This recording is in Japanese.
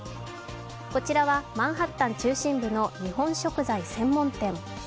こちらはマンハッタン中心部の日本食材専門店。